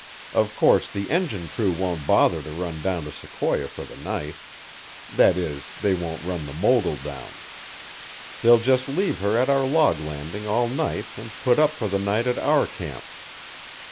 Of course, the engine crew won't bother to run down to Sequoia for the night that is, they won't run the mogul down. They'll just leave her at our log landing all night and put up for the night at our camp.